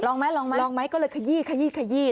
ลองไหมลองไหมก็เลยขยี้